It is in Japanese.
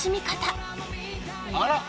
「あら！